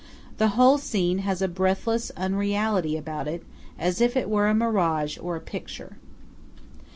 The whole scene has a breathless unreality about it, as if it were a mirage, or a picture.